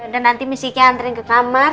dan nanti miss iki anterin ke kamar